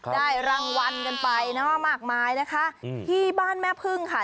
ได้รางวัลกันไปเนอะมากมายนะคะที่บ้านแม่พึ่งค่ะ